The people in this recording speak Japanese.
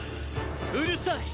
うるさい！